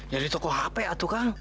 ya di toko hp atu kang